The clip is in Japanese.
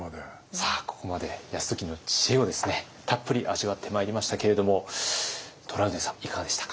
さあここまで泰時の知恵をたっぷり味わってまいりましたけれどもトラウデンさんいかがでしたか？